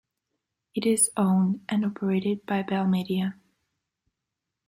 It is owned and operated by Bell Media.